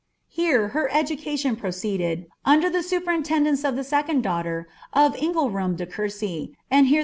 Here her education proceeded, under ibe ■a peril) ten den ee of the second daughter of Ingelram de Courcy; and lien!